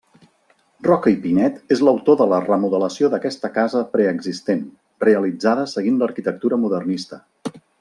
Roca i Pinet és l'autor de la remodelació d'aquesta casa preexistent, realitzada seguint l'arquitectura modernista.